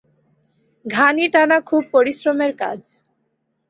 ঘানি টানা খুব পরিশ্রমের কাজ।